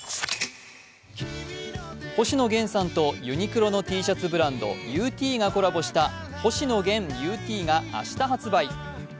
星野源さんとユニクロのＴシャツブランド、ＵＴがコラボした星野源ＵＴが明日発売。